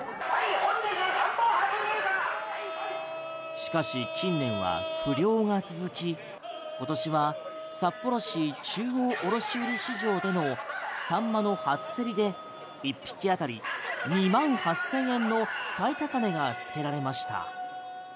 しかし近年は不漁が続き今年は札幌市中央卸売市場でのサンマの初競りで１匹当たり２万８０００円の最高値がつけられました。